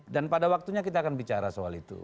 dan pada waktunya kita akan bicara soal itu